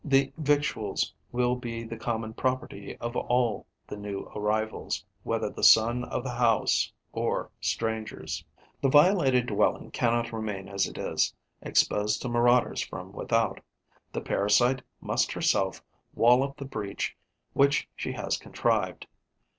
The victuals will be the common property of all the new arrivals, whether the son of the house or strangers. The violated dwelling cannot remain as it is, exposed to marauders from without; the parasite must herself wall up the breach which she has contrived.